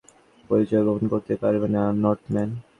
এই ছদ্মবেশ দিয়ে তোমার আসল পরিচয় গোপন করতে পারবে না, নর্থম্যান।